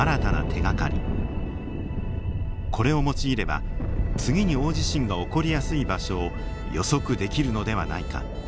これを用いれば次に大地震が起こりやすい場所を予測できるのではないか。